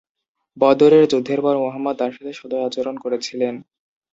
বদরের যুদ্ধের পর মুহাম্মদ তার সাথে সদয় আচরণ করেছিলেন।